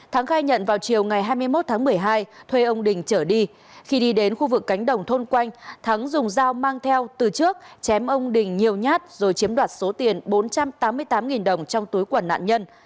thắng khai nhận vào chiều ngày hai mươi một tháng một mươi hai thuê ông đình trở đi khi đi đến khu vực cánh đồng thôn quanh thắng dùng dao mang theo từ trước chém ông đình nhiều nhát rồi chiếm đoạt số tiền bốn trăm tám mươi tám đồng trong túi quần nạn nhân